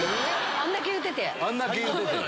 あんだけ言うてて⁉